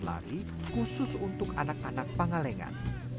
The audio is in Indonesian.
lari khusus untuk anak anak pangalengan